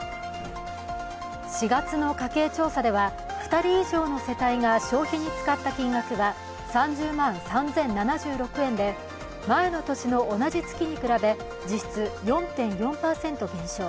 ４月の家計調査では２人以上の世帯が消費に使った金額は３０万３０７６円で、前の年の同じ月に比べ、実質４．４％減少。